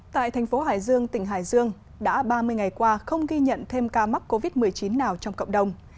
tại thành phố hải dương tỉnh hải dương đã ba mươi ngày qua không ghi nhận thêm ca mắc covid một mươi chín nào trong cộng đồng